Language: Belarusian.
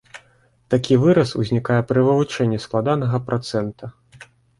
Такі выраз ўзнікае пры вывучэнні складанага працэнта.